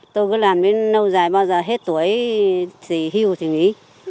tôi cứ làm đến lâu dài bao giờ hết tuổi thì hưu thì nghỉ